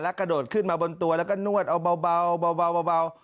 กระโดดขึ้นมาบนตัวแล้วก็นวดเอาเบา